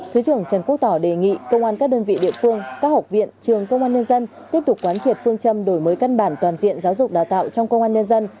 thứ trưởng trần quốc tỏ đề nghị công an các đơn vị địa phương các học viện trường công an nhân dân tiếp tục quán triệt phương châm đổi mới căn bản toàn diện giáo dục đào tạo trong công an nhân dân